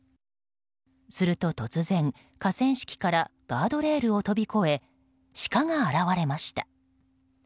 すると、突然河川敷からガードレールを飛び越えシカが現れました。